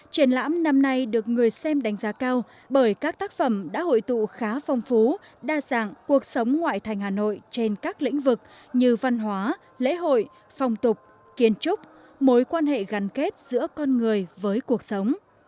triển lãm năm nay được người xem đánh giá cao bởi các tác phẩm đã hội tụ khá phong phú đa dạng cuộc sống ngoại thành hà nội trên các lĩnh vực như văn hóa lễ hội phong tục kiến trúc mối quan hệ gắn kết giữa con người với cuộc sống